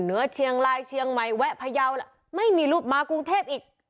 เหนือเชียงรายเชียงใหม่แวะพยาวแล้วไม่มีรูปมากรุงเทพอีก